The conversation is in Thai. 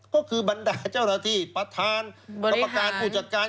ก็คือบรรดาเจ้าหน้าที่ประธานกรรมการผู้จัดการ